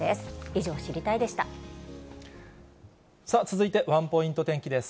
以上、続いて、ワンポイント天気です。